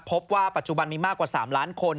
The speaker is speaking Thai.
พบว่าปัจจุบันมีมากกว่า๓ล้านคน